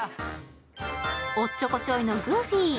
おっちょこちょいのグーフィー。